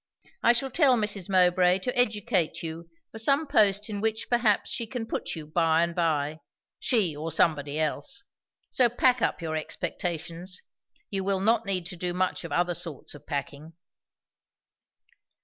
I shall tell Mrs. Mowbray to educate you for some post in which perhaps she can put you by and by; she or somebody else. So pack up your expectations; you will not need to do much of other sorts of packing."